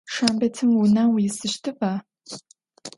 Шэмбэтым унэм уисыщтыба?